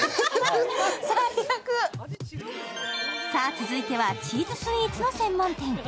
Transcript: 続いてはチーズスイーツの専門店。